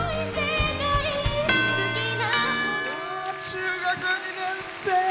中学２年生。